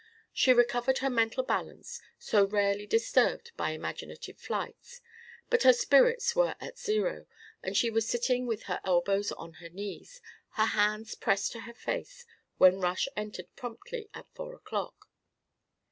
She recovered her mental balance (so rarely disturbed by imaginative flights), but her spirits were at zero; and she was sitting with her elbows on her knees, her hands pressed to her face when Rush entered promptly at four o'clock.